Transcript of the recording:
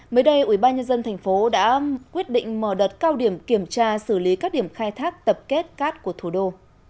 mới đây ủy ban nhân dân thành phố đã quyết định mở đợt cao điểm kiểm tra xử lý các điểm khai thác tập kết cát của thủ đô